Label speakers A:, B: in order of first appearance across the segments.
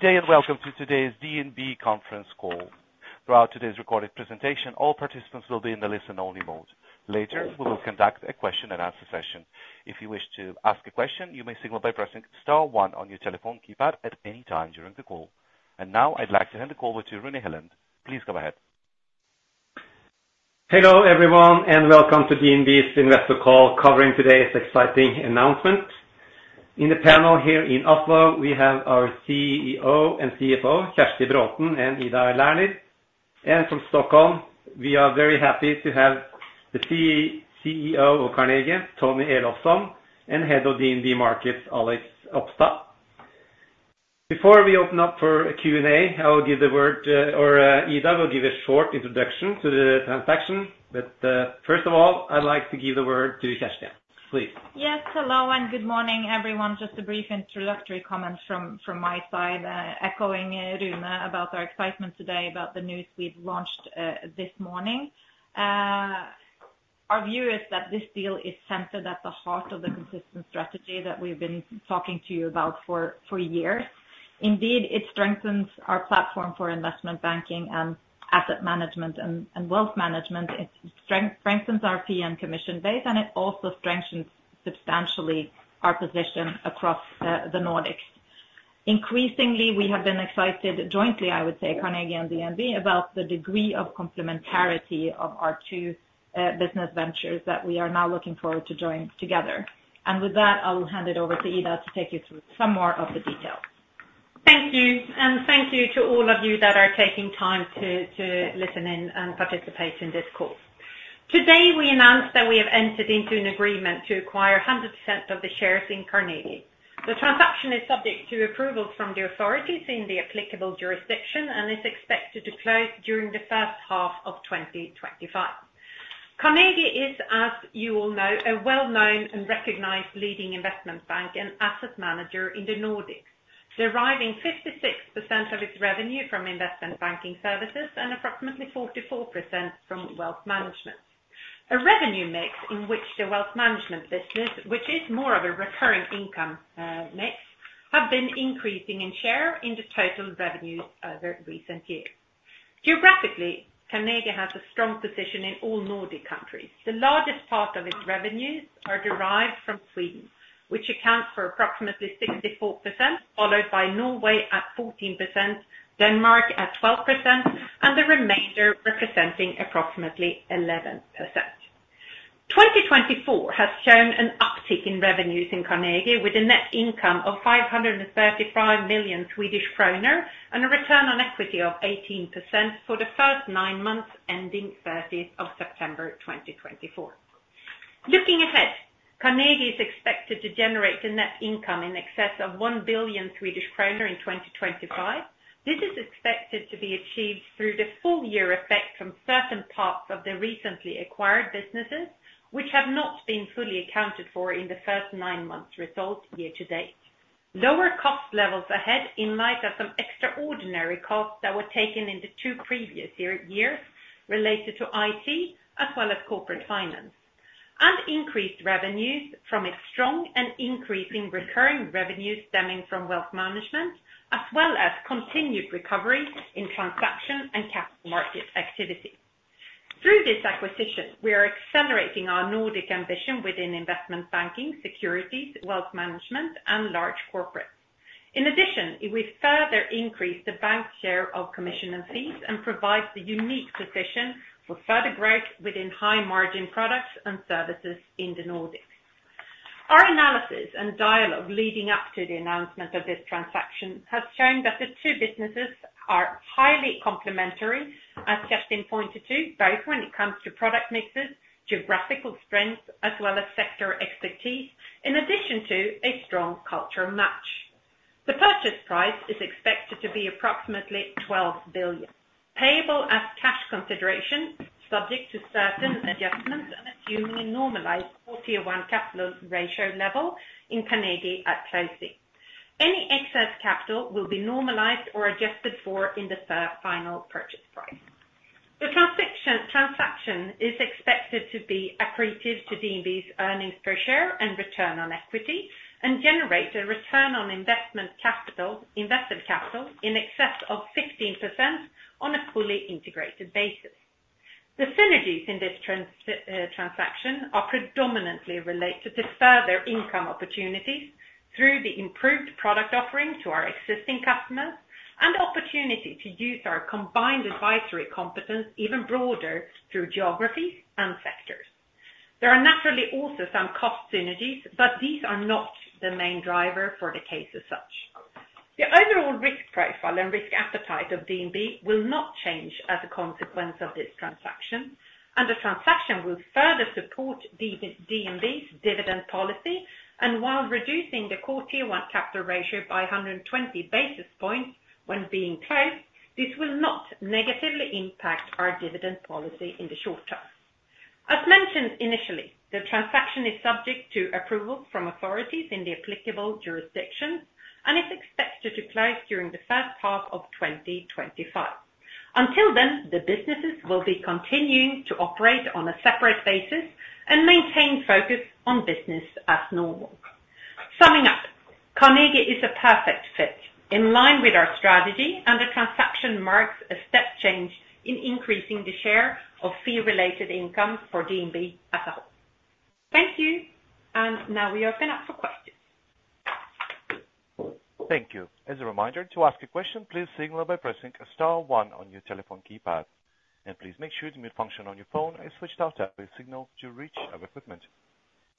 A: Good day, and welcome to today's DNB conference call. Throughout today's recorded presentation, all participants will be in the listen only mode. Later, we will conduct a question and answer session. If you wish to ask a question, you may signal by pressing star one on your telephone keypad at any time during the call. And now I'd like to hand the call over to Rune Helland. Please go ahead.
B: Hello, everyone, and welcome to DNB's investor call covering today's exciting announcement. In the panel here in Oslo, we have our CEO and CFO, Kjerstin Braathen and Ida Lerner. And from Stockholm, we are very happy to have the CEO of Carnegie, Tony Elofsson, and head of DNB Markets, Alex Opstad. Before we open up for Q&A, I will give the word, or, Ida will give a short introduction to the transaction. But, first of all, I'd like to give the word to Kjersti. Please.
C: Yes, hello, and good morning, everyone. Just a brief introductory comment from my side, echoing Rune, about our excitement today, about the news we've launched this morning. Our view is that this deal is centered at the heart of the consistent strategy that we've been talking to you about for years. Indeed, it strengthens our platform for investment banking and asset management and wealth management. It strengthens our fee and commission base, and it also strengthens substantially our position across the Nordics. Increasingly, we have been excited jointly, I would say, Carnegie and DNB, about the degree of complementarity of our two business ventures that we are now looking forward to join together. And with that, I will hand it over to Ida to take you through some more of the details.
D: Thank you, and thank you to all of you that are taking time to listen in and participate in this call. Today, we announce that we have entered into an agreement to acquire 100% of the shares in Carnegie. The transaction is subject to approval from the authorities in the applicable jurisdiction and is expected to close during the first half of 2025. Carnegie is, as you all know, a well-known and recognized leading investment bank and asset manager in the Nordics, deriving 56% of its revenue from investment banking services and approximately 44% from wealth management. A revenue mix in which the wealth management business, which is more of a recurring income mix, have been increasing in share in the total revenue over recent years. Geographically, Carnegie has a strong position in all Nordic countries. The largest part of its revenues are derived from Sweden, which accounts for approximately 64%, followed by Norway at 14%, Denmark at 12%, and the remainder representing approximately 11%. 2024 has shown an uptick in revenues in Carnegie, with a net income of 535 million Swedish kronor and a return on equity of 18% for the first nine months, ending 30th of September 2024. Looking ahead, Carnegie is expected to generate a net income in excess of 1 billion Swedish kronor in 2025. This is expected to be achieved through the full year effect from certain parts of the recently acquired businesses, which have not been fully accounted for in the first nine months results year to date. Lower cost levels ahead, in light of some extraordinary costs that were taken in the two previous years related to IT, as well as corporate finance, and increased revenues from its strong and increasing recurring revenues stemming from wealth management, as well as continued recovery in transaction and capital market activity. Through this acquisition, we are accelerating our Nordic ambition within investment banking, securities, wealth management, and large corporates. In addition, it will further increase the bank's share of commission and fees and provides a unique position for further growth within high margin products and services in the Nordics. Our analysis and dialogue leading up to the announcement of this transaction has shown that the two businesses are highly complementary, as Kjersti pointed to, both when it comes to product mixes, geographical strengths, as well as sector expertise, in addition to a strong cultural match. The purchase price is expected to be approximately 12 billion, payable as cash consideration, subject to certain adjustments and assuming a normalized core Tier 1 capital ratio level in Carnegie at closing. Any excess capital will be normalized or adjusted for in the third final purchase price. The transaction is expected to be accretive to DNB's earnings per share and return on equity, and generate a return on investment capital, invested capital in excess of 16% on a fully integrated basis. The synergies in this transaction are predominantly related to further income opportunities through the improved product offering to our existing customers and opportunity to use our combined advisory competence even broader through geographies and sectors. There are naturally also some cost synergies, but these are not the main driver for the case as such. The overall risk profile and risk appetite of DNB will not change as a consequence of this transaction, and the transaction will further support DNB's dividend policy and while reducing the Core Tier 1 capital ratio by 100 basis points when being closed, this will not negatively impact our dividend policy in the short term. As mentioned initially, the transaction is subject to approval from authorities in the applicable jurisdictions, and is expected to close during the first half of 2025....
C: Until then, the businesses will be continuing to operate on a separate basis and maintain focus on business as normal. Summing up, Carnegie is a perfect fit, in line with our strategy, and the transaction marks a step change in increasing the share of fee-related income for DNB as a whole. Thank you, and now we open up for questions.
A: Thank you. As a reminder, to ask a question, please signal by pressing star one on your telephone keypad. And please make sure the mute function on your phone is switched off after you signal to reach our equipment.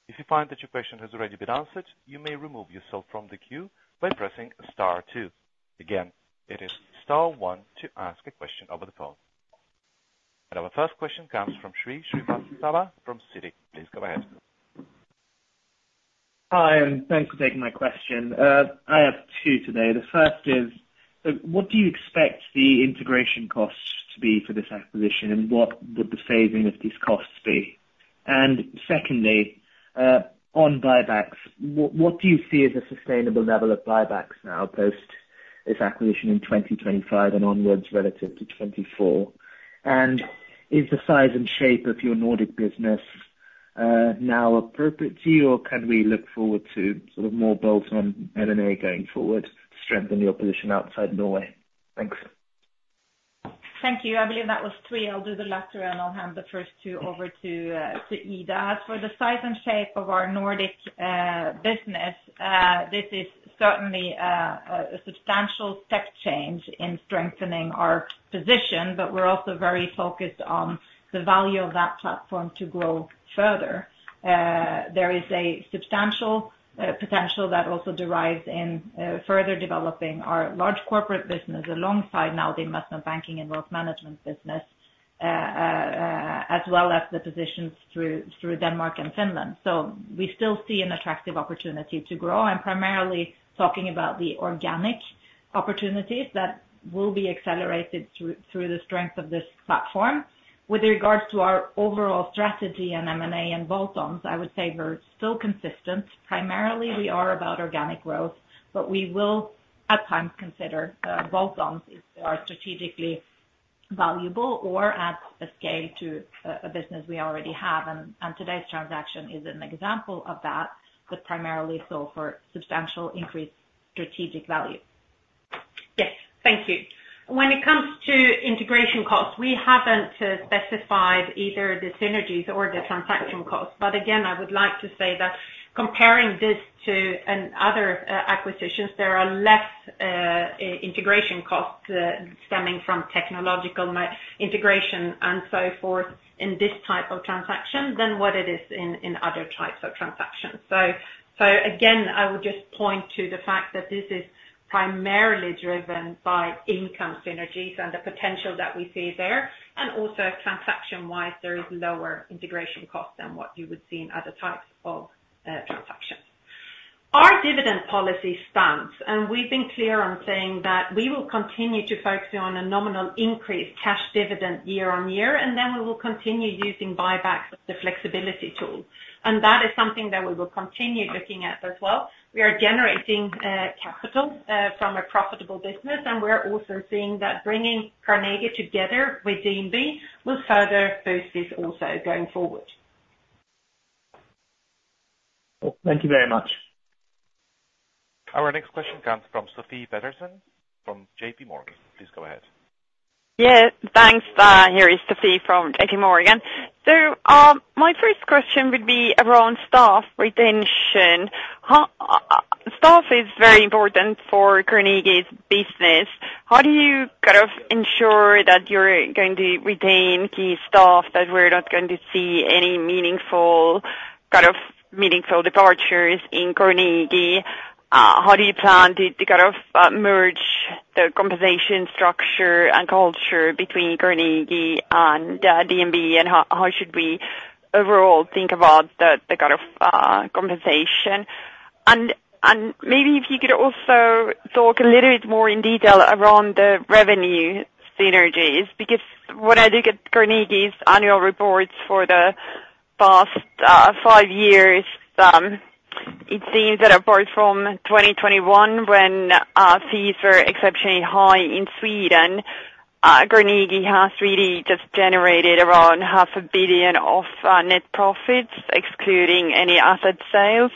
A: If you find that your question has already been answered, you may remove yourself from the queue by pressing star two. Again, it is star one to ask a question over the phone. And our first question comes from Shrey Srivastava from Citi. Please go ahead.
E: Hi, and thanks for taking my question. I have two today. The first is, what do you expect the integration costs to be for this acquisition, and what would the saving of these costs be? And secondly, on buybacks, what do you see as a sustainable level of buybacks now, post this acquisition in twenty twenty-five and onwards relative to twenty twenty-four? And is the size and shape of your Nordic business, now appropriate to you, or can we look forward to sort of more bolt-on M&A going forward to strengthen your position outside Norway? Thanks.
C: Thank you. I believe that was three. I'll do the latter, and I'll hand the first two over to Ida. As for the size and shape of our Nordic business, this is certainly a substantial step change in strengthening our position, but we're also very focused on the value of that platform to grow further. There is a substantial potential that also derives in further developing our large corporate business alongside now the investment banking and wealth management business, as well as the positions through Denmark and Finland. So we still see an attractive opportunity to grow. I'm primarily talking about the organic opportunities that will be accelerated through the strength of this platform. With regards to our overall strategy and M&A and bolt-ons, I would say we're still consistent. Primarily, we are about organic growth, but we will at times consider bolt-ons if they are strategically valuable or add the scale to a business we already have, and today's transaction is an example of that, but primarily so for substantial increased strategic value.
D: Yes. Thank you. When it comes to integration costs, we haven't specified either the synergies or the transaction costs. But again, I would like to say that comparing this to other acquisitions, there are less integration costs stemming from technological integration and so forth in this type of transaction than what it is in other types of transactions. So again, I would just point to the fact that this is primarily driven by revenue synergies and the potential that we see there, and also transaction-wise, there is lower integration costs than what you would see in other types of transactions. Our dividend policy stands, and we've been clear on saying that we will continue to focus on a nominal increased cash dividend year on year, and then we will continue using buybacks as the flexibility tool. That is something that we will continue looking at as well. We are generating capital from a profitable business, and we're also seeing that bringing Carnegie together with DNB will further boost this also going forward.
E: Thank you very much.
A: Our next question comes from Sofie Peterzens from J.P. Morgan. Please go ahead.
F: Yeah, thanks. Here is Sofie from J.P. Morgan. So, my first question would be around staff retention. Staff is very important for Carnegie's business. How do you kind of ensure that you're going to retain key staff, that we're not going to see any meaningful, kind of, meaningful departures in Carnegie? How do you plan to kind of merge the compensation structure and culture between Carnegie and DNB? And how should we overall think about the kind of compensation? Maybe if you could also talk a little bit more in detail around the revenue synergies, because when I look at Carnegie's annual reports for the past five years, it seems that apart from 2021, when fees were exceptionally high in Sweden, Carnegie has really just generated around 500 million of net profits, excluding any asset sales.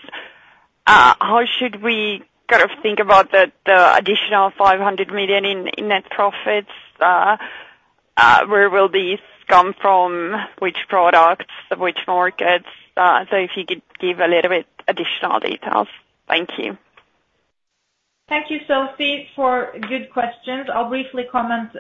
F: How should we kind of think about the additional 500 million in net profits? Where will these come from? Which products, which markets? So if you could give a little bit additional details. Thank you.
C: Thank you, Sofie, for good questions. I'll briefly comment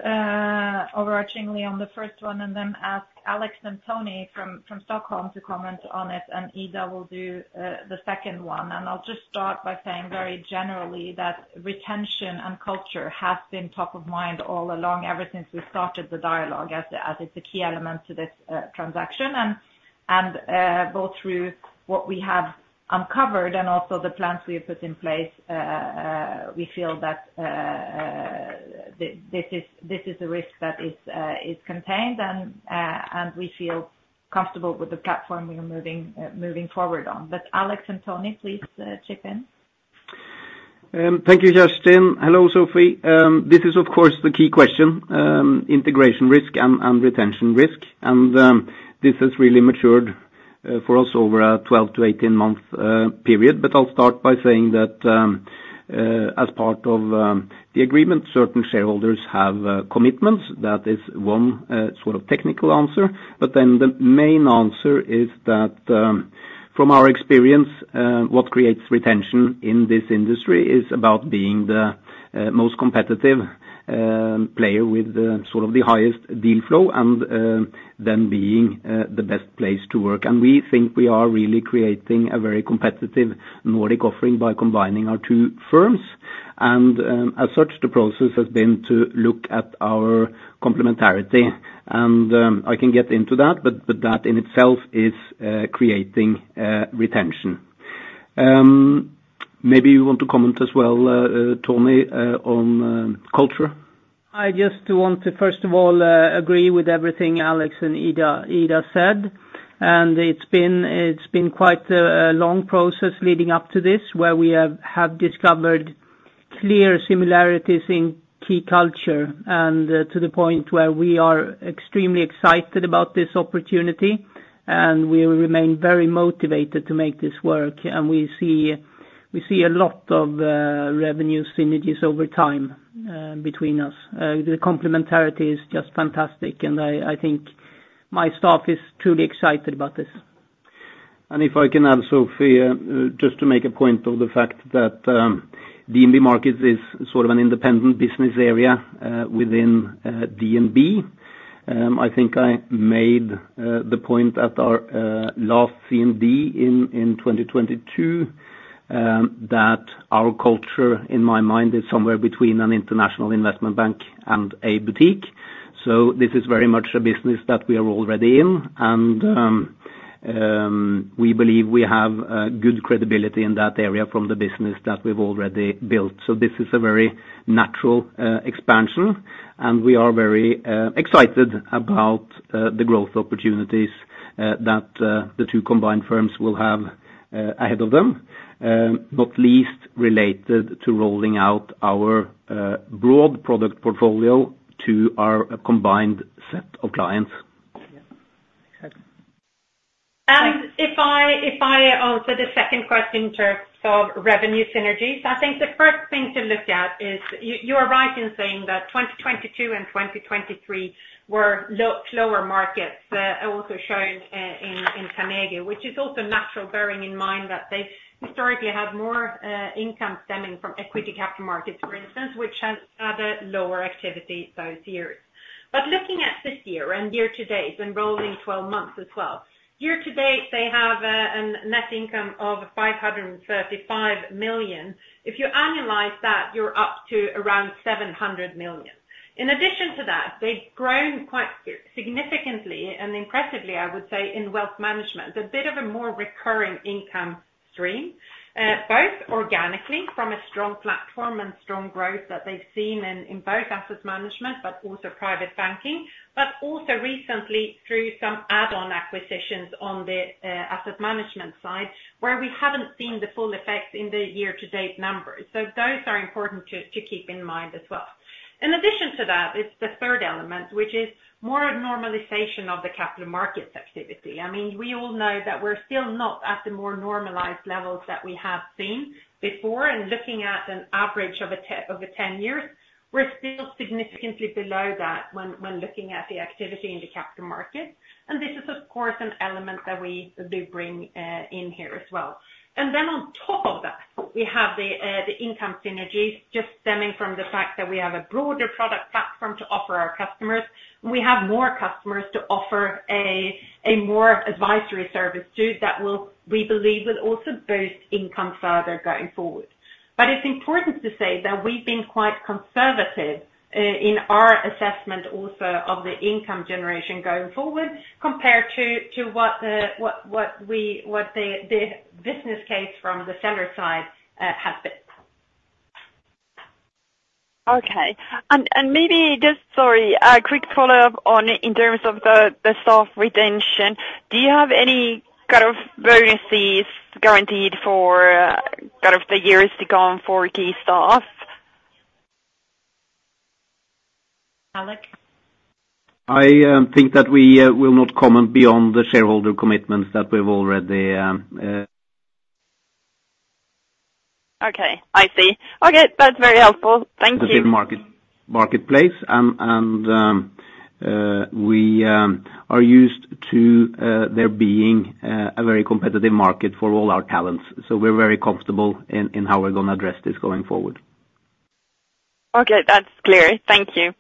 C: overarchingly on the first one, and then ask Alex and Tony from Stockholm to comment on it, and Ida will do the second one, and I'll just start by saying very generally that retention and culture has been top of mind all along, ever since we started the dialogue, as it's a key element to this transaction, and both through what we have uncovered and also the plans we have put in place, we feel that this is a risk that is contained, and we feel comfortable with the platform we are moving forward on, but Alex and Tony, please, chip in....
G: Thank you, Kjersti. Hello, Sophie. This is, of course, the key question, integration risk and retention risk, and this has really matured for us over a twelve to eighteen month period. But I'll start by saying that, as part of the agreement, certain shareholders have commitments. That is one sort of technical answer. But then the main answer is that, from our experience, what creates retention in this industry is about being the most competitive player with the sort of the highest deal flow and then being the best place to work. And we think we are really creating a very competitive Nordic offering by combining our two firms. As such, the process has been to look at our complementarity, and I can get into that, but that in itself is creating retention. Maybe you want to comment as well, Tony, on culture?
H: I just want to first of all agree with everything Alex and Ida said. It's been quite a long process leading up to this, where we have discovered clear similarities in key culture, to the point where we are extremely excited about this opportunity, and we will remain very motivated to make this work. We see a lot of revenue synergies over time between us. The complementarity is just fantastic, and I think my staff is truly excited about this.
G: And if I can add, Sofie, just to make a point of the fact that DNB Markets is sort of an independent business area within DNB. I think I made the point at our last CMD in 2022 that our culture, in my mind, is somewhere between an international investment bank and a boutique. So this is very much a business that we are already in, and we believe we have good credibility in that area from the business that we've already built. So this is a very natural expansion, and we are very excited about the growth opportunities that the two combined firms will have ahead of them. Not least related to rolling out our broad product portfolio to our combined set of clients.
D: If I answer the second question in terms of revenue synergies, I think the first thing to look at is you are right in saying that 2022 and 2023 were lower markets, also shown in Carnegie, which is also natural, bearing in mind that they historically had more income stemming from equity capital markets, for instance, which has had a lower activity those years. But looking at this year and year to date, and rolling twelve months as well, they have net income of 535 million SEK. If you annualize that, you're up to around 700 million SEK. In addition to that, they've grown quite significantly and impressively, I would say, in wealth management. A bit of a more recurring income stream, both organically from a strong platform and strong growth that they've seen in both asset management, but also private banking, but also recently through some add-on acquisitions on the asset management side, where we haven't seen the full effect in the year-to-date numbers. So those are important to keep in mind as well. In addition to that is the third element, which is more normalization of the capital markets activity. I mean, we all know that we're still not at the more normalized levels that we have seen before, and looking at an average over 10 years, we're still significantly below that when looking at the activity in the capital markets. And this is, of course, an element that we do bring in here as well. And then on top of that, we have the income synergies just stemming from the fact that we have a broader product platform to offer our customers, and we have more customers to offer a more advisory service to, that will, we believe, will also boost income further going forward. But it's important to say that we've been quite conservative in our assessment also of the income generation going forward, compared to what the business case from the seller side has been.
F: Okay. And maybe just... Sorry, a quick follow-up on in terms of the staff retention. Do you have any kind of bonuses guaranteed for kind of the years to come for key staff?
D: Alex?
G: I think that we will not comment beyond the shareholder commitments that we've already.
F: Okay, I see. Okay, that's very helpful. Thank you.
G: The marketplace, and we are used to there being a very competitive market for all our talents, so we're very comfortable in how we're gonna address this going forward.
F: Okay, that's clear. Thank you.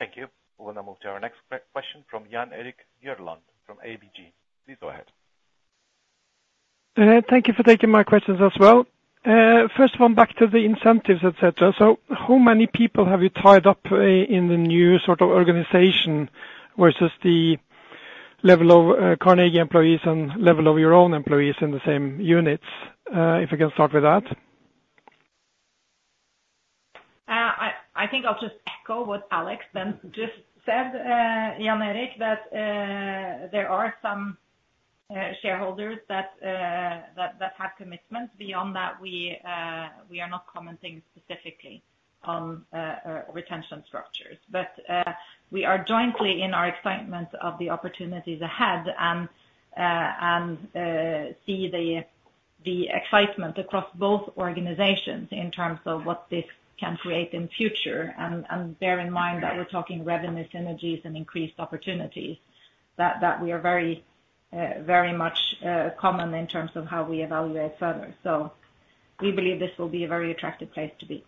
A: Thank you. We're gonna move to our next question from Jan Erik Gjerland from ABG. Please go ahead.
I: Thank you for taking my questions as well. First of all, back to the incentives, et cetera. So how many people have you tied up in the new sort of organization versus the level of Carnegie employees and level of your own employees in the same units? If I can start with that.
C: I think I'll just echo what Alex then just said, Jan Erik, that there are some shareholders that have commitments. Beyond that, we are not commenting specifically on retention structures. But we are jointly in our excitement of the opportunities ahead and see the excitement across both organizations in terms of what this can create in future. And bear in mind that we're talking revenue synergies and increased opportunities, that we are very much common in terms of how we evaluate further. So we believe this will be a very attractive place to be.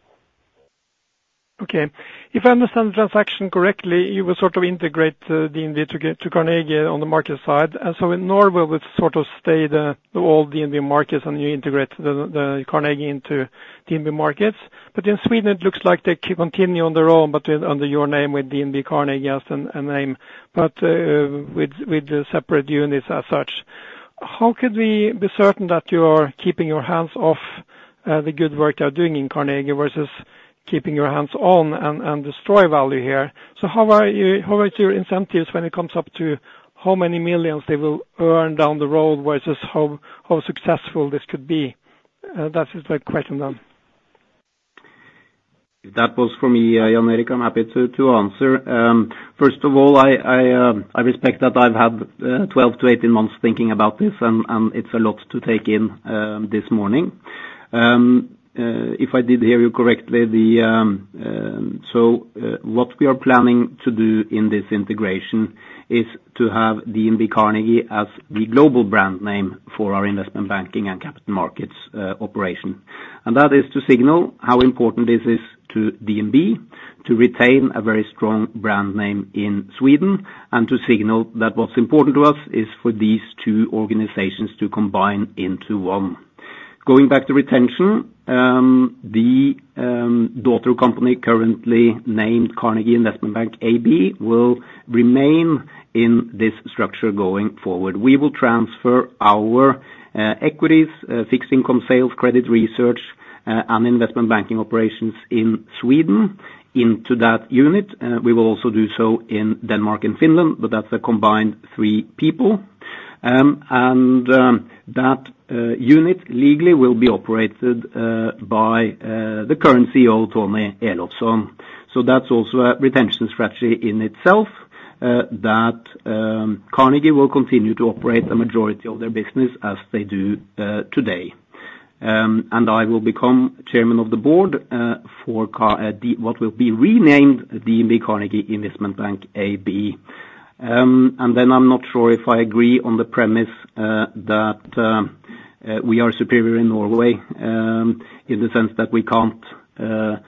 I: Okay. If I understand the transaction correctly, you will sort of integrate DNB to get to Carnegie on the market side. And so in Norway, it would sort of stay the old DNB Markets, and you integrate the Carnegie into DNB Markets. But in Sweden, it looks like they keep continuing on their own, but with under your name, with DNB Carnegie as a name, but with the separate units as such. How could we be certain that you are keeping your hands off the good work you are doing in Carnegie versus keeping your hands on and destroy value here? So how are you- how is your incentives when it comes up to how many millions they will earn down the road versus how successful this could be? That is my question then.
G: If that was for me, Jan Erik, I'm happy to answer. First of all, I respect that I've had twelve to eighteen months thinking about this, and it's a lot to take in this morning. If I did hear you correctly, so what we are planning to do in this integration is to have DNB Carnegie as the global brand name for our investment banking and capital markets operation. And that is to signal how important this is to DNB, to retain a very strong brand name in Sweden, and to signal that what's important to us is for these two organizations to combine into one. Going back to retention, the daughter company, currently named Carnegie Investment Bank AB, will remain in this structure going forward. We will transfer our equities, fixed income sales, credit research, and investment banking operations in Sweden into that unit. We will also do so in Denmark and Finland, but that's a combined three people, and that unit legally will be operated by the current CEO, Tony Elofsson. So that's also a retention strategy in itself, that Carnegie will continue to operate the majority of their business as they do today. And I will become chairman of the board for what will be renamed DNB Carnegie Investment Bank AB. And then I'm not sure if I agree on the premise that we are superior in Norway, in the sense that we can't, that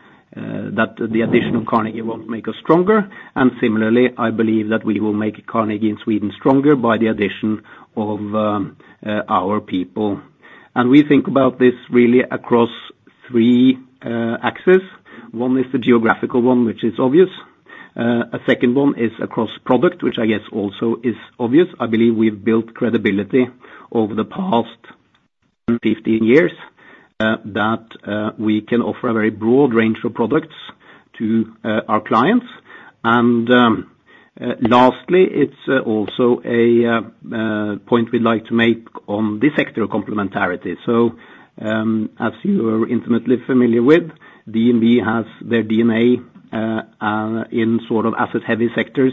G: the addition of Carnegie won't make us stronger. And similarly, I believe that we will make Carnegie in Sweden stronger by the addition of our people. And we think about this really across three axes. One is the geographical one, which is obvious. A second one is across product, which I guess also is obvious. I believe we've built credibility over the past fifteen years that we can offer a very broad range of products to our clients. And lastly, it's also a point we'd like to make on the sector of complementarity. So, as you are intimately familiar with, DNB has their DNA in sort of asset-heavy sectors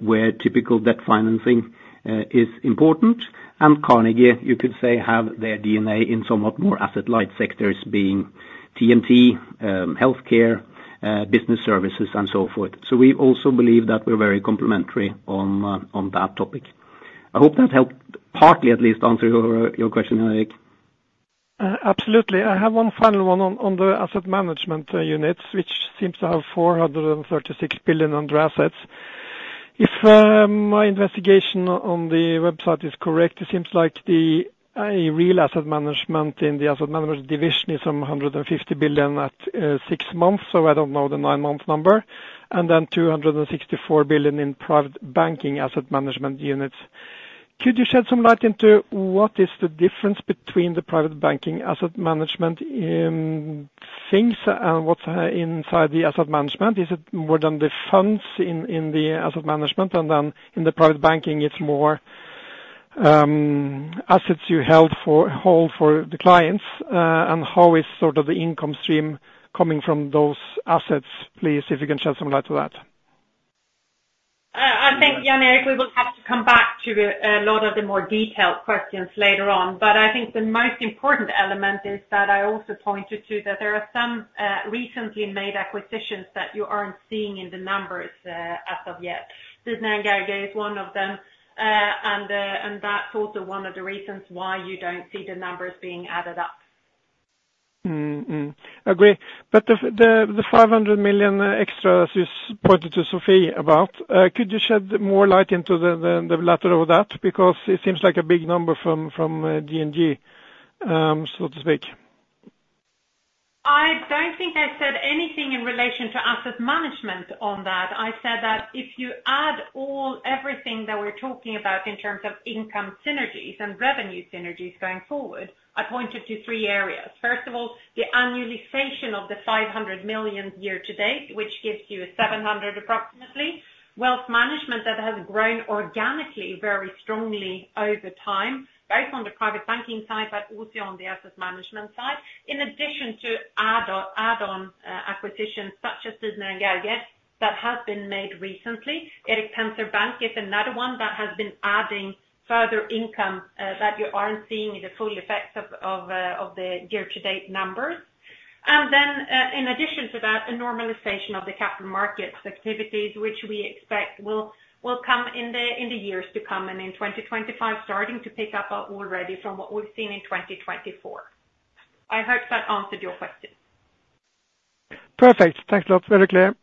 G: where typical debt financing is important. And Carnegie, you could say, have their DNA in somewhat more asset-light sectors, being TMT, healthcare, business services, and so forth. So we also believe that we're very complementary on that topic. I hope that helped, partly at least, answer your question, Jan Erik.
I: Absolutely. I have one final one on the asset management units, which seems to have 436 billion under assets. If my investigation on the website is correct, it seems like the real asset management in the asset management division is some 150 billion at six months, so I don't know the nine-month number, and then 264 billion in private banking asset management units. Could you shed some light into what is the difference between the private banking asset management in things, what's inside the asset management? Is it more than the funds in the asset management, and then in the private banking, it's more assets you hold for the clients? How is sort of the income stream coming from those assets, please, if you can shed some light to that?
C: I think, Jan Erik, we will have to come back to a lot of the more detailed questions later on, but I think the most important element is that I also pointed to that there are some recently made acquisitions that you aren't seeing in the numbers as of yet. Didner & Gerge is one of them, and that's also one of the reasons why you don't see the numbers being added up.
I: Mm, agree. But the 500 million extras is pointed to Sofie about, could you shed more light into the latter of that? Because it seems like a big number from D&G, so to speak....
D: I don't think I said anything in relation to asset management on that. I said that if you add all, everything that we're talking about in terms of income synergies and revenue synergies going forward, I pointed to three areas. First of all, the annualization of the 500 million year to date, which gives you approximately NOK 700 million. Wealth management that has grown organically, very strongly over time, both on the private banking side, but also on the asset management side, in addition to add-on acquisitions such as Didner & Gerge that have been made recently. Erik Penser Bank is another one that has been adding further income that you aren't seeing the full effects of the year to date numbers. In addition to that, the normalization of the Capital Markets activities, which we expect will come in the years to come, and in twenty twenty-five, starting to pick up already from what we've seen in twenty twenty-four. I hope that answered your question.
I: Perfect. Thanks a lot. Very clear.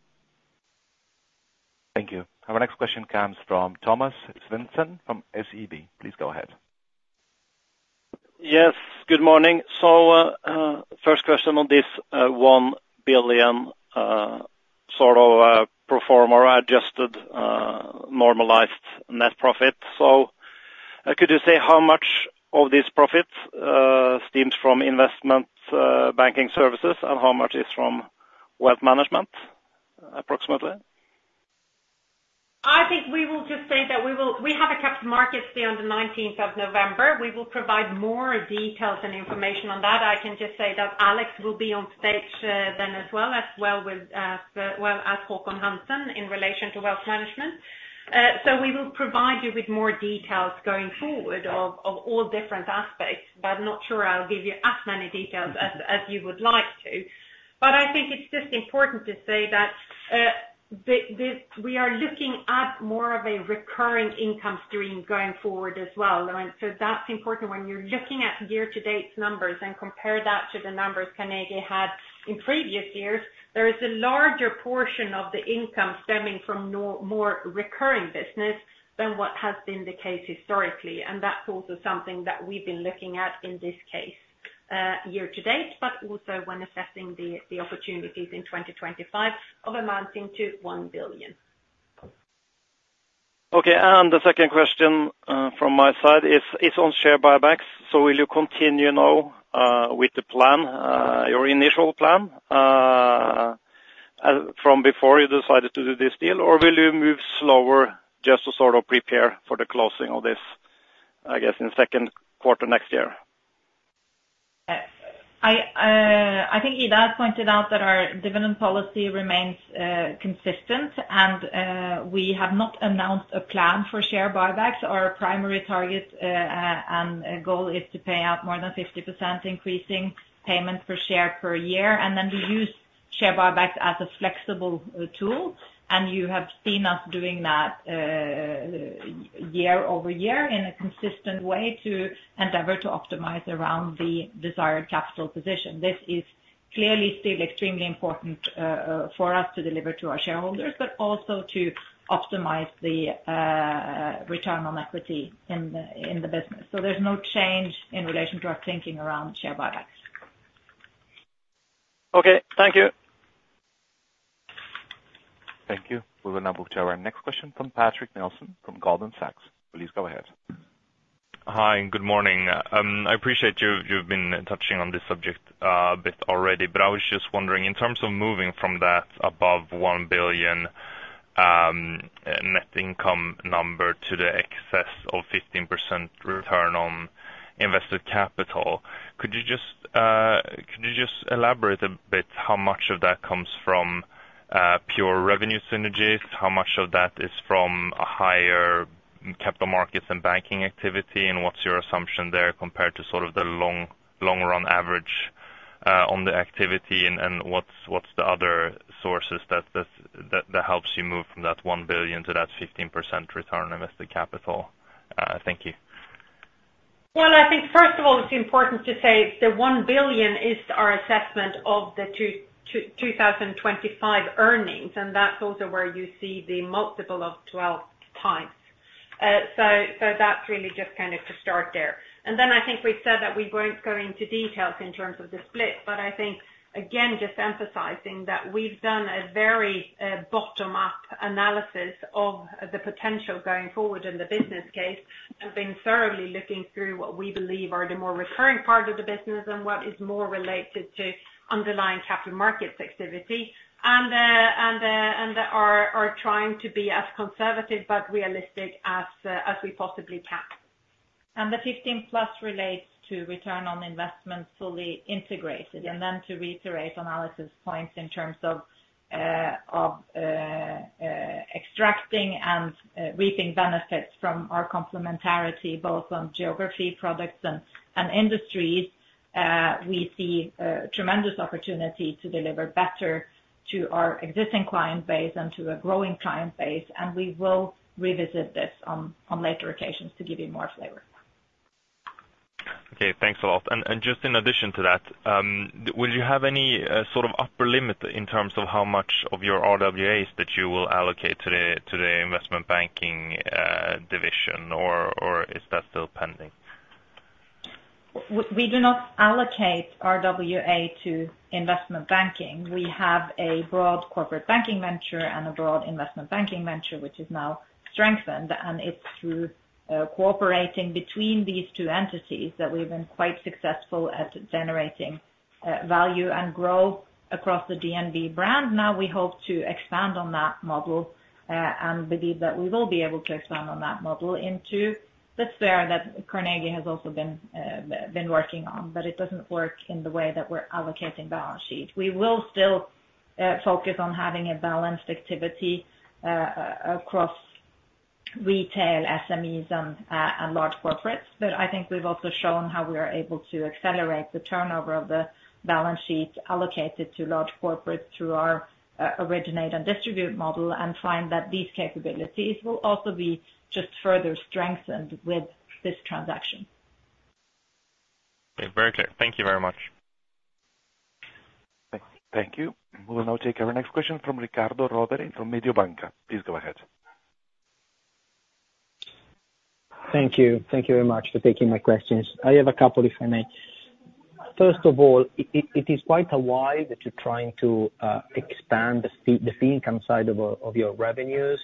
I: Thank you.
A: Our next question comes from Thomas Svendsen from SEB. Please go ahead.
J: Yes, good morning. So, first question on this 1 billion sort of pro forma adjusted normalized net profit. Could you say how much of this profit stems from investment banking services, and how much is from wealth management, approximately?
D: I think we have a Capital Markets Day on the nineteenth of November. We will provide more details and information on that. I can just say that Alex will be on stage then as well with Håkon Hansen in relation to wealth management. So we will provide you with more details going forward of all different aspects, but not sure I'll give you as many details as you would like to. But I think it's just important to say that we are looking at more of a recurring income stream going forward as well. That's important when you're looking at year to date numbers and compare that to the numbers Carnegie had in previous years. There is a larger portion of the income stemming from more recurring business than what has been the case historically. That's also something that we've been looking at in this case, year to date, but also when assessing the opportunities in twenty twenty-five of amounting to 1 billion.
J: Okay, and the second question from my side is on share buybacks. So will you continue now with the plan, your initial plan, from before you decided to do this deal? Or will you move slower just to sort of prepare for the closing of this, I guess, in the second quarter next year?
C: I think Ida has pointed out that our dividend policy remains consistent, and we have not announced a plan for share buybacks. Our primary target and goal is to pay out more than 50%, increasing payment per share per year, and then we use share buybacks as a flexible tool, and you have seen us doing that year over year, in a consistent way to endeavor to optimize around the desired capital position. This is clearly still extremely important for us to deliver to our shareholders, but also to optimize the return on equity in the business, so there's no change in relation to our thinking around share buybacks.
J: Okay, thank you.
A: Thank you. We will now move to our next question from Patrick Nelson from Goldman Sachs. Please go ahead.
K: Hi, and good morning. I appreciate you, you've been touching on this subject a bit already, but I was just wondering, in terms of moving from that above 1 billion net income number to the excess of 15% return on invested capital, could you just elaborate a bit how much of that comes from pure revenue synergies? How much of that is from a higher capital markets and banking activity, and what's your assumption there compared to sort of the long run average on the activity? And what's the other sources that helps you move from that 1 billion to that 15% return on invested capital? Thank you.
D: I think first of all, it's important to say the 1 billion is our assessment of the 2025 earnings, and that's also where you see the multiple of 12 times. So that's really just kind of to start there. Then I think we said that we won't go into details in terms of the split, but I think, again, just emphasizing that we've done a very bottom-up analysis of the potential going forward in the business case, and been thoroughly looking through what we believe are the more recurring part of the business and what is more related to underlying capital markets activity. And are trying to be as conservative but realistic as we possibly can.
C: The 15 plus relates to return on investment, fully integrated.
D: Yes.
C: And then to reiterate analysis points in terms of extracting and reaping benefits from our complementarity, both on geography, products, and industries, we see a tremendous opportunity to deliver better to our existing client base and to a growing client base, and we will revisit this on later occasions to give you more flavor.
K: Okay, thanks a lot. And just in addition to that, would you have any sort of upper limit in terms of how much of your RWAs that you will allocate to the investment banking division, or is that still pending?...
C: We do not allocate RWA to investment banking. We have a broad corporate banking venture and a broad investment banking venture, which is now strengthened, and it's through cooperating between these two entities that we've been quite successful at generating value and growth across the DNB brand. Now, we hope to expand on that model, and believe that we will be able to expand on that model into the sphere that Carnegie has also been working on. But it doesn't work in the way that we're allocating balance sheet. We will still focus on having a balanced activity across retail, SMEs, and large corporates. But I think we've also shown how we are able to accelerate the turnover of the balance sheet allocated to large corporates through our originate and distribute model, and find that these capabilities will also be just further strengthened with this transaction.
K: Okay, very clear. Thank you very much.
A: Thank you. We'll now take our next question from Riccardo Rovere from Mediobanca. Please go ahead.
L: Thank you. Thank you very much for taking my questions. I have a couple, if I may. First of all, it is quite a while that you're trying to expand the fee income side of your revenues.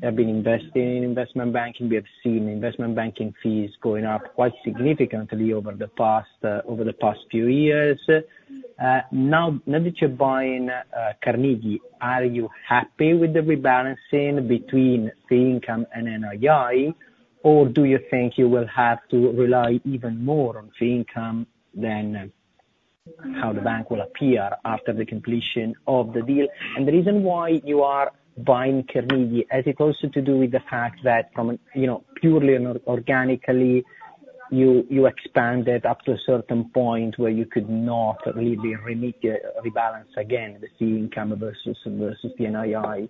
L: Been investing in investment banking. We have seen investment banking fees going up quite significantly over the past few years. Now that you're buying Carnegie, are you happy with the rebalancing between fee income and NII? Or do you think you will have to rely even more on fee income than how the bank will appear after the completion of the deal? The reason why you are buying Carnegie, has it also to do with the fact that from, you know, purely and/or organically, you expanded up to a certain point where you could not really rebalance again, the fee income versus the NII,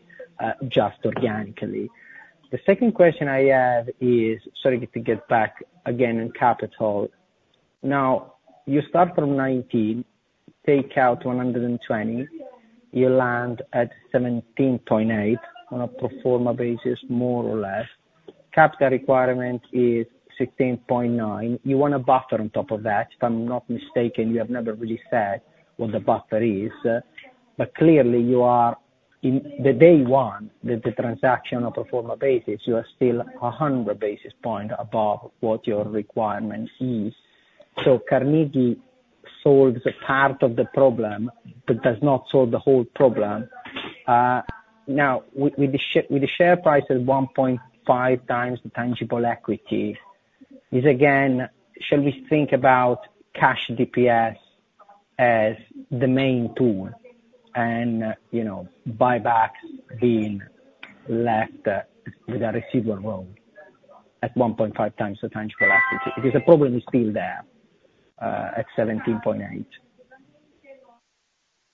L: just organically? The second question I have is, sorry, to get back again on capital. Now, you start from 19, take out 120, you land at 17.8 on a pro forma basis, more or less. Capital requirement is 16.9. You want a buffer on top of that. If I'm not mistaken, you have never really said what the buffer is. But clearly, you are in the day one, the transaction on pro forma basis, you are still 100 basis point above what your requirement is. Carnegie solves a part of the problem, but does not solve the whole problem. Now, with the share price at one point five times the tangible equity, is again, shall we think about cash DPS as the main tool and, you know, buyback being left with a residual role at one point five times the tangible equity? Because the problem is still there, at seventeen point eight.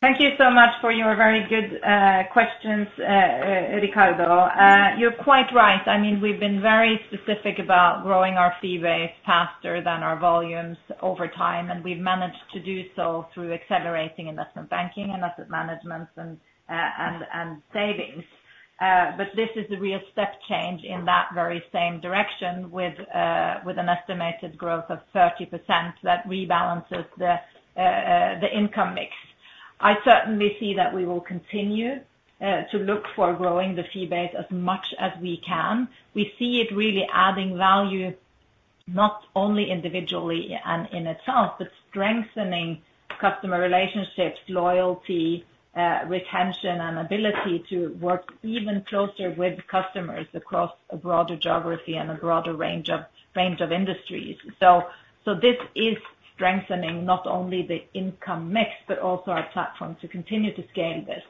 C: Thank you so much for your very good questions, Riccardo. You're quite right. I mean, we've been very specific about growing our fee base faster than our volumes over time, and we've managed to do so through accelerating investment banking, asset management, and savings. But this is a real step change in that very same direction with an estimated growth of 30%, that rebalances the income mix. I certainly see that we will continue to look for growing the fee base as much as we can. We see it really adding value, not only individually and in itself, but strengthening customer relationships, loyalty, retention, and ability to work even closer with customers across a broader geography and a broader range of industries. This is strengthening not only the income mix, but also our platform to continue to scale this.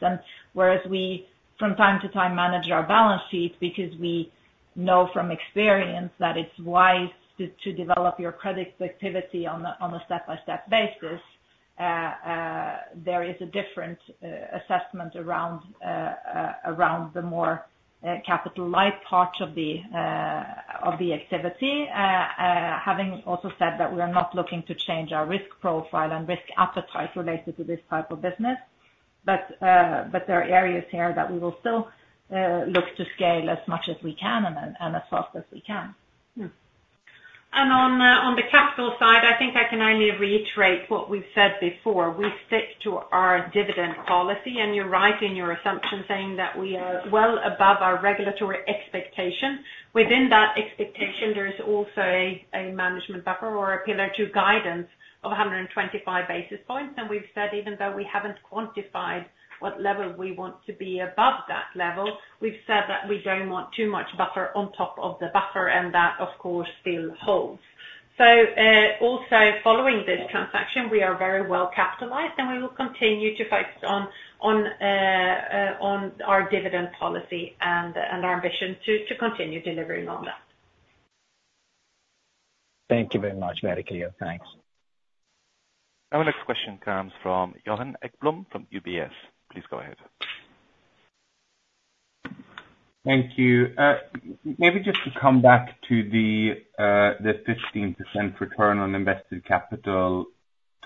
C: Whereas we from time to time manage our balance sheet, because we know from experience that it's wise to develop your credit activity on a step-by-step basis, there is a different assessment around the more capital light part of the activity. Having also said that we are not looking to change our risk profile and risk appetite related to this type of business, but there are areas here that we will still look to scale as much as we can and as fast as we can. On the capital side, I think I can only reiterate what we've said before. We stick to our dividend policy, and you're right in your assumption, saying that we are well above our regulatory expectation. Within that expectation, there is also a management buffer or a Pillar 2 guidance of 125 basis points, and we've said, even though we haven't quantified what level we want to be above that level, we've said that we don't want too much buffer on top of the buffer, and that, of course, still holds, so also following this transaction, we are very well capitalized, and we will continue to focus on our dividend policy and our ambition to continue delivering on that.
L: Thank you very much, Maria. Thanks.
A: Our next question comes from Johan Ekblom, from UBS. Please go ahead.
M: Thank you. Maybe just to come back to the 15% return on invested capital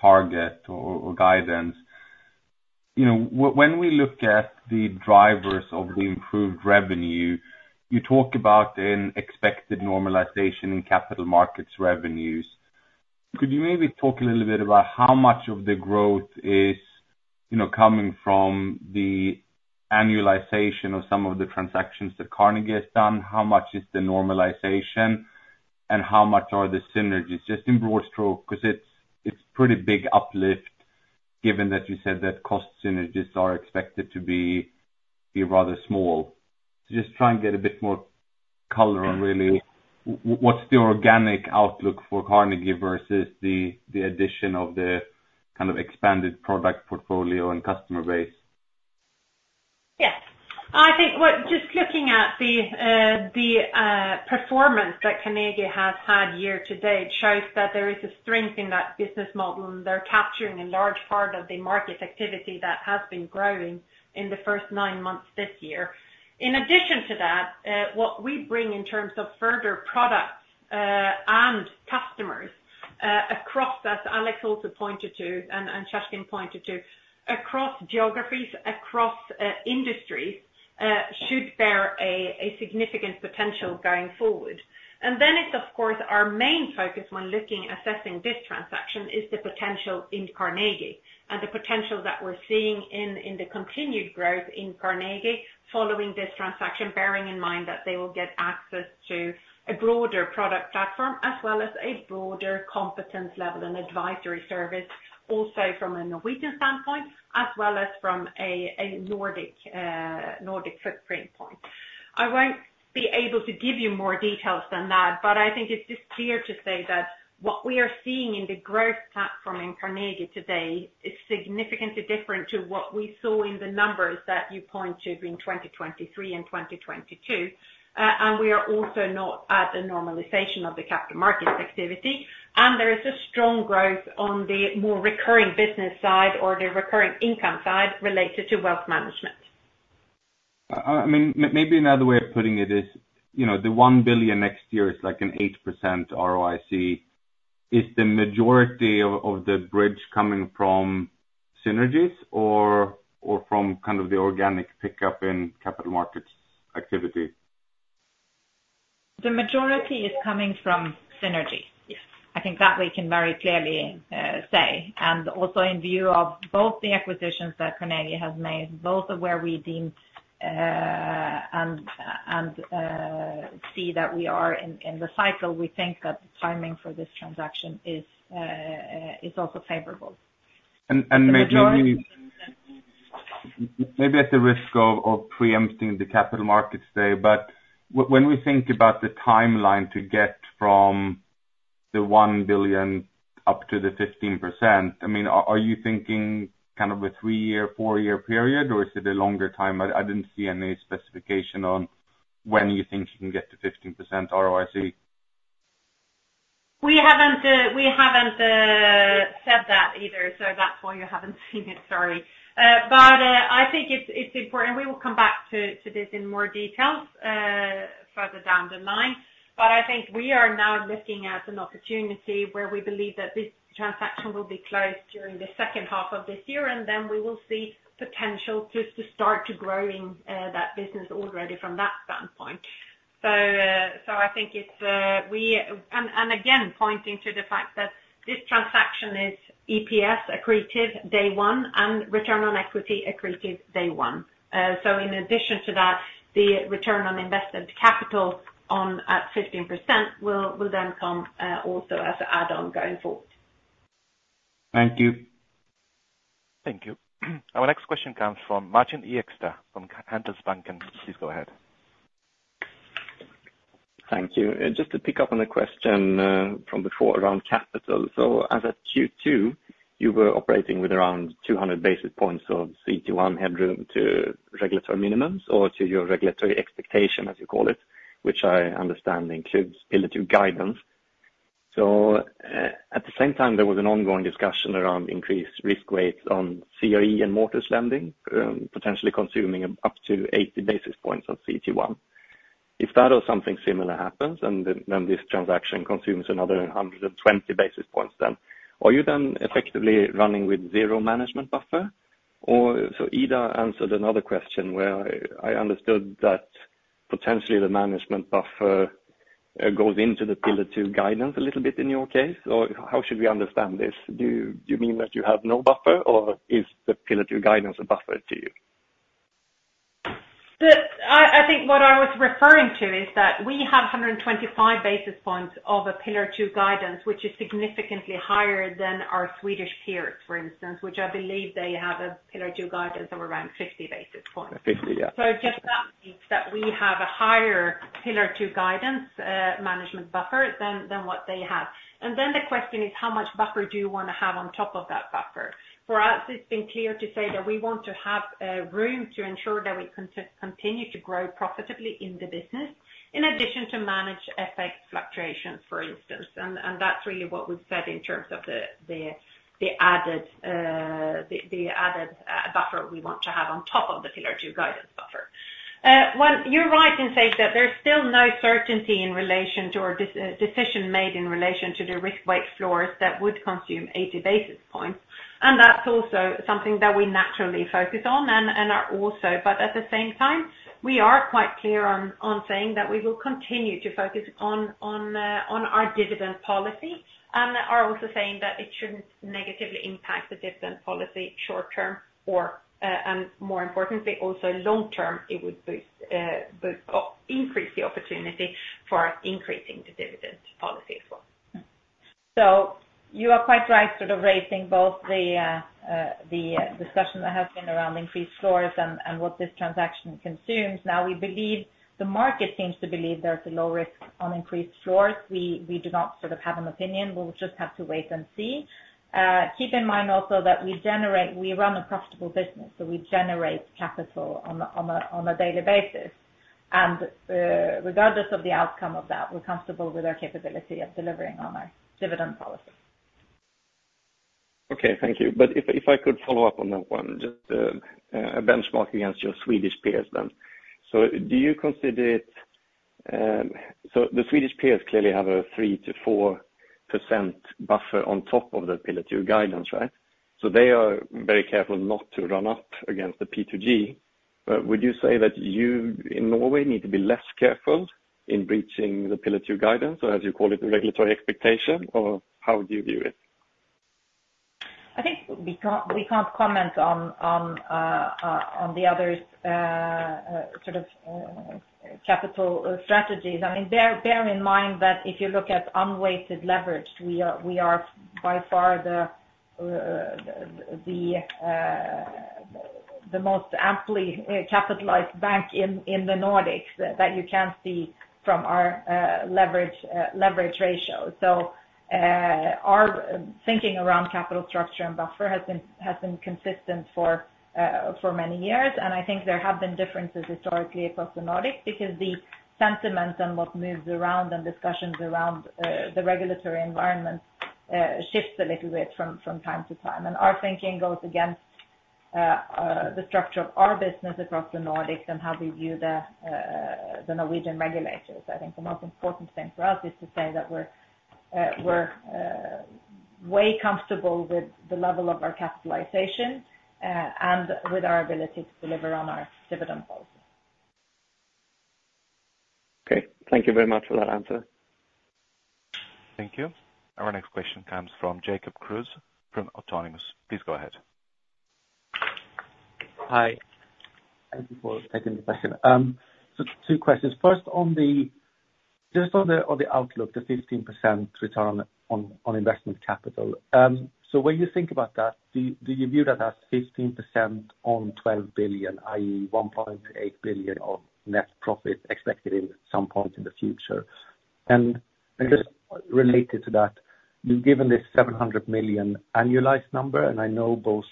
M: target or guidance.... You know, when we look at the drivers of the improved revenue, you talk about an expected normalization in capital markets revenues. Could you maybe talk a little bit about how much of the growth is, you know, coming from the annualization of some of the transactions that Carnegie has done? How much is the normalization, and how much are the synergies? Just in broad stroke, 'cause it's pretty big uplift, given that you said that cost synergies are expected to be rather small. Just try and get a bit more color on really what's the organic outlook for Carnegie versus the addition of the kind of expanded product portfolio and customer base.
D: Yes. I think, just looking at the performance that Carnegie has had year to date shows that there is a strength in that business model, and they're capturing a large part of the market activity that has been growing in the first nine months this year. In addition to that, what we bring in terms of further products and customers across, as Alex also pointed to, and Shrey pointed to, across geographies, across industries, should bear a significant potential going forward. And then it's of course our main focus when looking, assessing this transaction, is the potential in Carnegie, and the potential that we're seeing in the continued growth in Carnegie following this transaction, bearing in mind that they will get access to a broader product platform, as well as a broader competence level and advisory service, also from a Norwegian standpoint, as well as from a Nordic footprint point. I won't be able to give you more details than that, but I think it's just clear to say that what we are seeing in the growth platform in Carnegie today is significantly different to what we saw in the numbers that you point to in 2023 and 2022. And we are also not at the normalization of the capital markets activity, and there is a strong growth on the more recurring business side or the recurring income side related to wealth management.
M: I mean, maybe another way of putting it is, you know, the one billion next year is like an 8% ROIC. Is the majority of the bridge coming from synergies or from kind of the organic pickup in capital markets activity?
D: The majority is coming from synergy.
M: Yes.
D: I think that we can very clearly say, and also in view of both the acquisitions that Carnegie has made, both of where we deemed, and see that we are in the cycle, we think that the timing for this transaction is also favorable.
M: And maybe-
D: The majority-
M: Maybe at the risk of preempting the capital markets day, but when we think about the timeline to get from the one billion up to the 15%, I mean, are you thinking kind of a three-year, four-year period, or is it a longer time? I didn't see any specification on when you think you can get to 15% ROIC.
D: We haven't said that either, so that's why you haven't seen it, sorry. But I think it's important, and we will come back to this in more detail further down the line. But I think we are now looking at an opportunity where we believe that this transaction will be closed during the second half of this year, and then we will see potential to start to growing that business already from that standpoint. So I think it's we. And again, pointing to the fact that this transaction is EPS accretive day one, and return on equity accretive day one. So in addition to that, the return on invested capital at 15%, will then come also as an add-on going forward.
M: Thank you.
A: Thank you. Our next question comes from Martin Ek, from Handelsbanken. Please go ahead.
N: Thank you. Just to pick up on the question from before around capital. So as at Q2, you were operating with around 200 basis points of CET1 headroom to regulatory minimums or to your regulatory expectation, as you call it, which I understand includes Pillar 2 guidance. So, at the same time, there was an ongoing discussion around increased risk weights on corporate and mortgage lending, potentially consuming up to 80 basis points on CET1. If that or something similar happens, and then this transaction consumes another 120 basis points, then are you then effectively running with zero management buffer? Or so Ida answered another question, where I understood that potentially the management buffer goes into the Pillar 2 guidance a little bit in your case, or how should we understand this? Do you mean that you have no buffer, or is the Pillar 2 Guidance a buffer to you?
D: I think what I was referring to is that we have 125 basis points of a Pillar 2 guidance, which is significantly higher than our Swedish peers, for instance, which I believe they have a Pillar 2 guidance of around 50 basis points.
N: Fifty, yeah.
D: So just that means that we have a higher Pillar 2 guidance management buffer than what they have. And then the question is, how much buffer do you wanna have on top of that buffer? For us, it's been clear to say that we want to have room to ensure that we continue to grow profitably in the business, in addition to manage FX fluctuations, for instance. And that's really what we've said in terms of the added buffer we want to have on top of the Pillar 2 guidance buffer....
C: Well, you're right in saying that there's still no certainty in relation to, or decision made in relation to the risk weight floors that would consume eighty basis points. And that's also something that we naturally focus on, and are also but at the same time, we are quite clear on saying that we will continue to focus on our dividend policy, and are also saying that it shouldn't negatively impact the dividend policy short term or, and more importantly, also long term, it would boost or increase the opportunity for increasing the dividend policy as well. So you are quite right, sort of, raising both the discussion that has been around increased floors and what this transaction consumes. Now, we believe the market seems to believe there's a low risk on increased floors. We do not sort of have an opinion. We'll just have to wait and see. Keep in mind also that we run a profitable business, so we generate capital on a daily basis, and regardless of the outcome of that, we're comfortable with our capability of delivering on our dividend policy.
N: Okay, thank you. But if I could follow up on that one, just a benchmark against your Swedish peers then. So do you consider it. So the Swedish peers clearly have a 3-4% buffer on top of the Pillar 2 guidance, right? So they are very careful not to run up against the P2G. But would you say that you, in Norway, need to be less careful in breaching the Pillar 2 guidance, or as you call it, regulatory expectation? Or how would you view it?
C: I think we can't comment on the other sort of capital strategies. I mean, bear in mind that if you look at unweighted leverage, we are by far the most amply capitalized bank in the Nordics, that you can see from our leverage ratio. So, our thinking around capital structure and buffer has been consistent for many years. And I think there have been differences historically across the Nordics, because the sentiment and what moves around and discussions around the regulatory environment shifts a little bit from time to time. And our thinking goes against the structure of our business across the Nordics and how we view the Norwegian regulators. I think the most important thing for us is to say that we're way comfortable with the level of our capitalization, and with our ability to deliver on our dividend policy.
N: Okay, thank you very much for that answer.
A: Thank you. Our next question comes from Jacob Kruse from Autonomous. Please go ahead.
O: Hi, thank you for taking the question. So two questions. First, just on the outlook, the 15% return on invested capital. So when you think about that, do you view that as 15% on 12 billion, i.e., 1.8 billion of net profit expected at some point in the future? And just related to that, you've given this 700 million annualized number, and I know both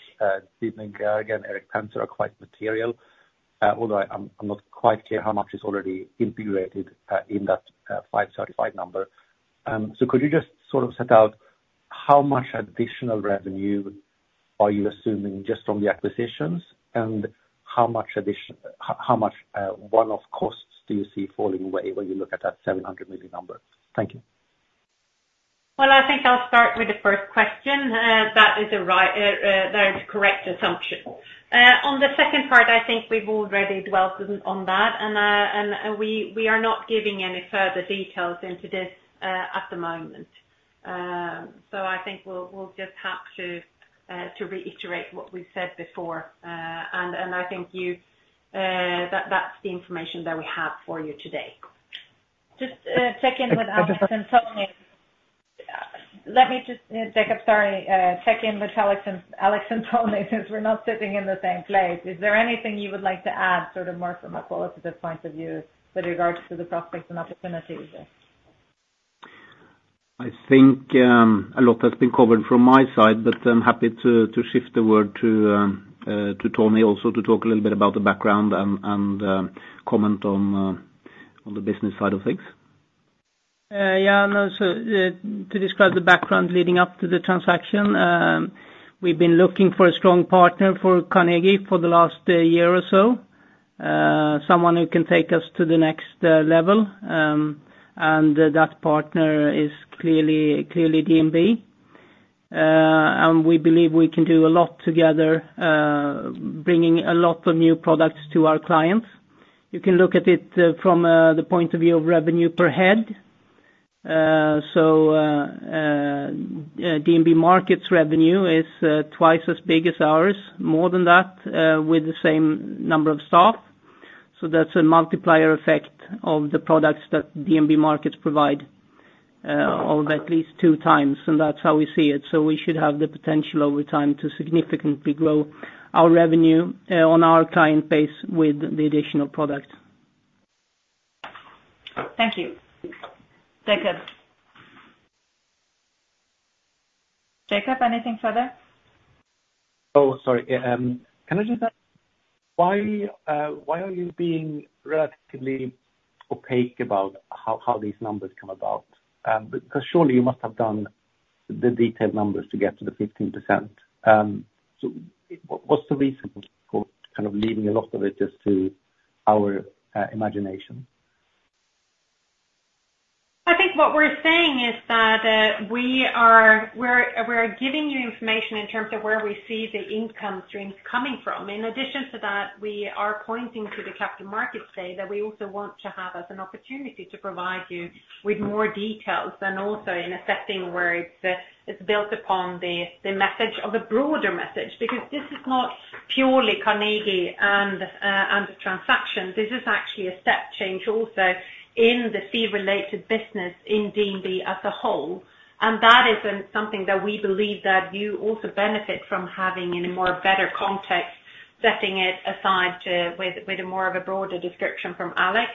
O: Didner & Gerge and Erik Penser Bank are quite material, although I'm not quite clear how much is already integrated in that 535 number. So could you just sort of set out how much additional revenue are you assuming, just from the acquisitions, and how much one-off costs do you see falling away when you look at that 700 million number? Thank you.
C: I think I'll start with the first question. That is right. That is a correct assumption. On the second part, I think we've already dwelt on that, and we are not giving any further details into this at the moment. So I think we'll just have to reiterate what we've said before. I think that's the information that we have for you today. Just check in with Alex and Tony. Let me just, Jacob, sorry, check in with Alex and Tony, since we're not sitting in the same place. Is there anything you would like to add, sort of more from a qualitative point of view, with regards to the prospects and opportunities?
G: I think a lot has been covered from my side, but I'm happy to shift the word to Tony, also to talk a little bit about the background and comment on the business side of things.
H: Yeah, no, so, to describe the background leading up to the transaction, we've been looking for a strong partner for Carnegie for the last, year or so. Someone who can take us to the next, level, and, that partner is clearly, clearly DNB. And we believe we can do a lot together, bringing a lot of new products to our clients. You can look at it, from, the point of view of revenue per head. So, DNB Markets revenue is, twice as big as ours, more than that, with the same number of staff. So that's a multiplier effect of the products that DNB Markets provide, of at least two times, and that's how we see it. So we should have the potential over time to significantly grow our revenue on our client base with the additional product.
C: Thank you. Jacob? Jacob, anything further?
O: Oh, sorry. Can I just ask, why are you being relatively opaque about how these numbers come about? Because surely you must have the detailed numbers to get to the 15%. So what is the reason for kind of leaving a lot of it just to our imagination?
D: I think what we're saying is that we are giving you information in terms of where we see the income streams coming from. In addition to that, we are pointing to the Capital Markets Day, that we also want to have as an opportunity to provide you with more details, and also in a setting where it's built upon the message of the broader message. Because this is not purely Carnegie and the transaction, this is actually a step change also in the fee-related business in DNB as a whole. That is something that we believe that you also benefit from having in a more better context, setting it aside with a more of a broader description from Alex,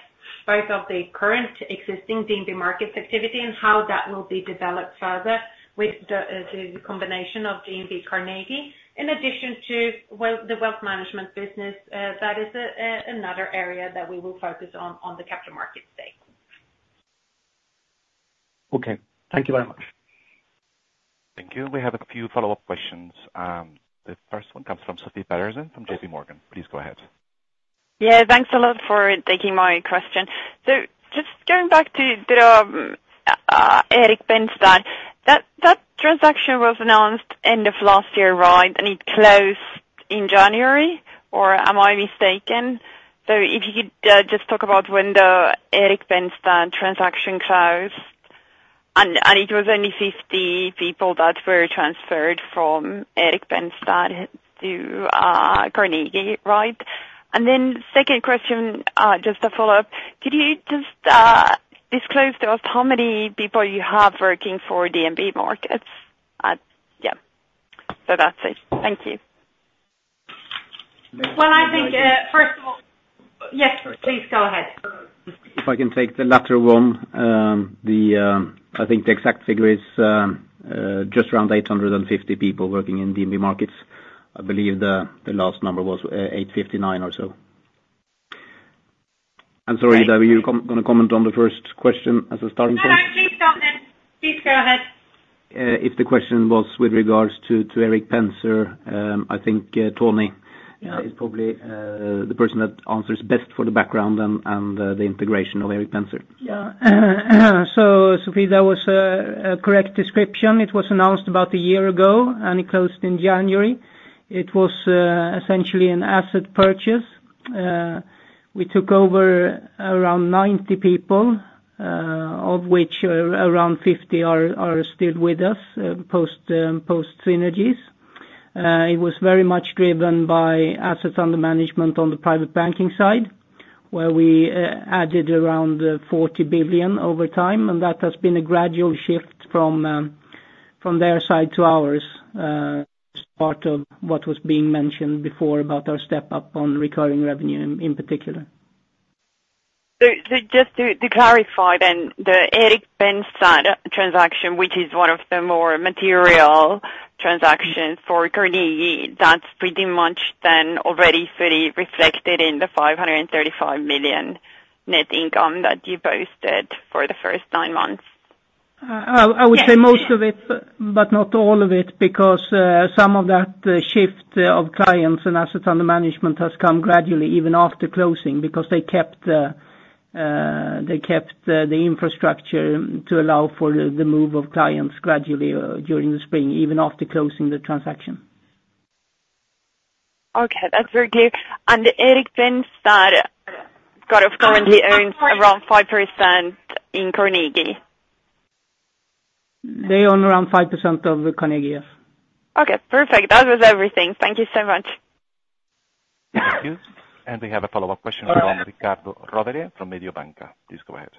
D: both of the current existing DNB Markets activity and how that will be developed further with the combination of DNB Carnegie. In addition to the wealth management business, that is another area that we will focus on the capital markets day.
O: Okay. Thank you very much.
A: Thank you. We have a few follow-up questions. The first one comes from Sofie Peterzens from J.P. Morgan. Please go ahead.
F: Yeah, thanks a lot for taking my question. So just going back to the Erik Penser Bank, that transaction was announced end of last year, right? And it closed in January, or am I mistaken? So if you could just talk about when the Erik Penser Bank transaction closed, and it was only 50 people that were transferred from Erik Penser Bank to Carnegie, right? And then second question, just a follow-up. Could you just disclose to us how many people you have working for DNB Markets? Yeah. So that's it. Thank you.
D: I think, first of all... Yes, please go ahead.
G: If I can take the latter one. I think the exact figure is just around 850 people working in DNB Markets. I believe the last number was 859 or so. I'm sorry, David, you're gonna comment on the first question as a starting point?
D: No, no, please start then. Please go ahead.
G: If the question was with regards to Erik Penser, I think Tony is probably the person that answers best for the background and the integration of Erik Penser.
H: Yeah. So Sofie, that was a correct description. It was announced about a year ago, and it closed in January. It was essentially an asset purchase. We took over around 90 people, of which around 50 are still with us post synergies. It was very much driven by assets under management on the private banking side, where we added around 40 billion over time, and that has been a gradual shift from their side to ours, as part of what was being mentioned before about our step up on recurring revenue in particular.
F: Just to clarify then, the Erik Penser Bank transaction, which is one of the more material transactions for Carnegie, that's pretty much then already fully reflected in the 535 million net income that you posted for the first nine months?
H: I would say most of it, but not all of it, because some of that shift of clients and assets under management has come gradually, even after closing, because they kept the infrastructure to allow for the move of clients gradually during the spring, even after closing the transaction.
F: Okay. That's very clear. And Erik Penser Bank, kind of, currently owns around 5% in Carnegie?
H: They own around 5% of Carnegie, yes.
F: Okay, perfect. That was everything. Thank you so much.
A: Thank you. We have a follow-up question from Riccardo Rovere, from Mediobanca. Please go ahead.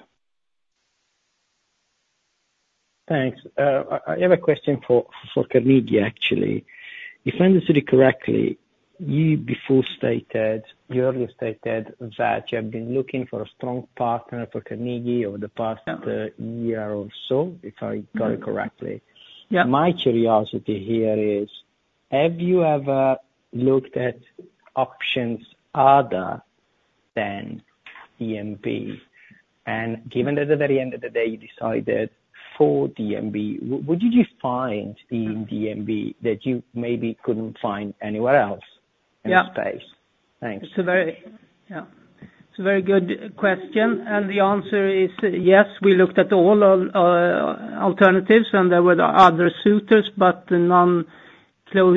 L: Thanks. I have a question for Carnegie, actually. If I understood correctly, you earlier stated that you have been looking for a strong partner for Carnegie over the past year or so, if I got it correctly.
H: Yeah.
L: My curiosity here is, have you ever looked at options other than DNB? And given that at the very end of the day, you decided for DNB, what did you find in DNB that you maybe couldn't find anywhere else?
H: Yeah...
L: in the space? Thanks.
H: It's a very good question, and the answer is yes, we looked at all alternatives, and there were other suitors, but none close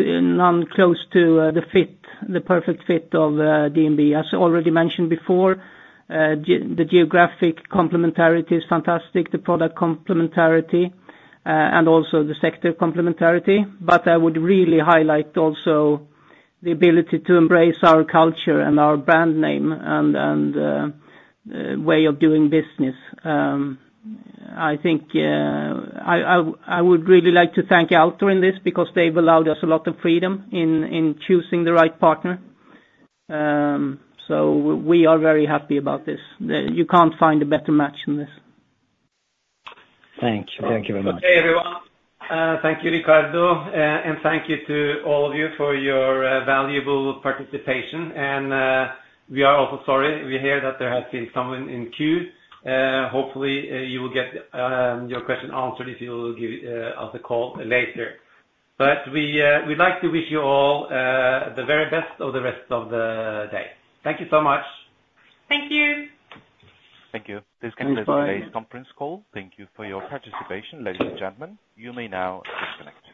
H: to the fit, the perfect fit of DNB. As already mentioned before, the geographic complementarity is fantastic, the product complementarity, and also the sector complementarity. But I would really highlight also the ability to embrace our culture and our brand name and way of doing business. I would really like to thank Altor in this, because they've allowed us a lot of freedom in choosing the right partner. So we are very happy about this. You can't find a better match than this.
L: Thank you. Thank you very much.
B: Okay, everyone. Thank you, Riccardo, and thank you to all of you for your valuable participation, and we are also sorry, we hear that there has been someone in queue. Hopefully, you will get your question answered if you will give us a call later, but we, we'd like to wish you all the very best of the rest of the day. Thank you so much.
D: Thank you.
A: Thank you. This concludes today's conference call. Thank you for your participation, ladies and gentlemen. You may now disconnect.